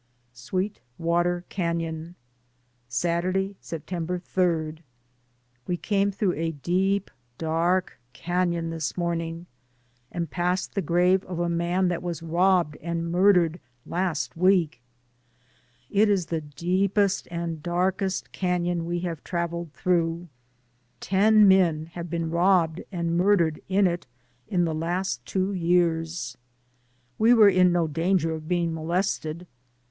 SWEET WATER CANON. Saturday, September 3. We came through a deep, dark canon this morning, and passed the grave of a man that was robbed and murdered last week. It is 258 DAYS ON THE ROAD. the deepest and darkest canon we have trav eled through. Ten men have been robbed and murdered in it in the last two years. We were in no danger of being molested.